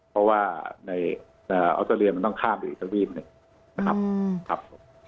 เพราะว่าในออสเตอร์เรียมันต้องข้ามอีกสักวิ่งหนึ่งนะครับ